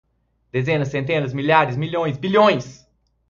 dezenas, centenas, milhares, milhões, bilhões.